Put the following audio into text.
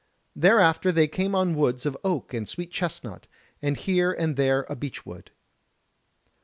Thereafter they came on woods of oak and sweet chestnut, with here and there a beech wood.